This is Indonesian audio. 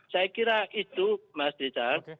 saya kira itu mas rizal